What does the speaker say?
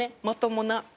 まともな。